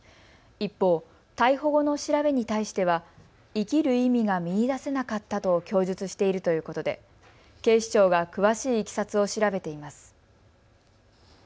一方、逮捕後の調べに対しては生きる意味が見いだせなかったと供述しているということで警視庁が詳しいいきさつを調べています。